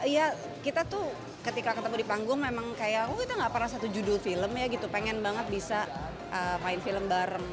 ya kita tuh ketika ketemu di panggung memang kayak oh kita gak pernah satu judul film ya gitu pengen banget bisa main film bareng